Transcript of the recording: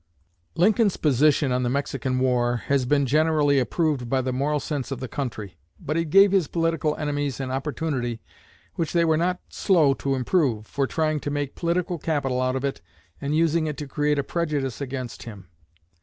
Lincoln's position on the Mexican War has been generally approved by the moral sense of the country; but it gave his political enemies an opportunity, which they were not slow to improve, for trying to make political capital out of it and using it to create a prejudice against him.